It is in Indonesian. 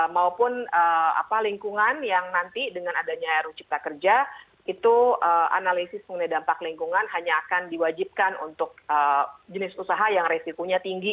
maupun lingkungan yang nanti dengan adanya ru cipta kerja itu analisis mengenai dampak lingkungan hanya akan diwajibkan untuk jenis usaha yang resikonya tinggi